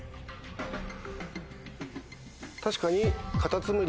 確かに。